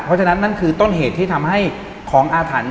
เพราะฉะนั้นนั่นคือต้นเหตุที่ทำให้ของอาถรรพ์